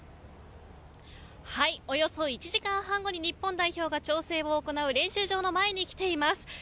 およそ１時間半後に日本代表が調整を行う練習場の前に来ています。